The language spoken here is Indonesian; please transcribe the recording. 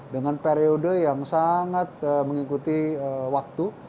dengan periode yang sangat mengikuti waktu